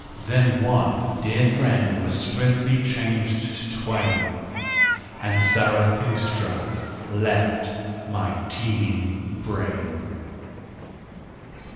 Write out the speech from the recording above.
Then one, dear friend, was swiftly changed to twain, And Zarathustra left my teeming brain